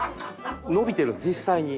伸びてる実際に。